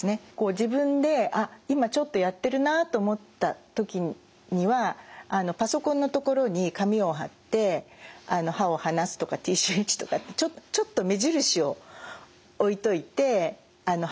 自分で「あっ今ちょっとやってるな」と思った時にはパソコンの所に紙を貼って「歯を離す」とか「ＴＣＨ」とかってちょっと目印を置いといて離すようにしてます。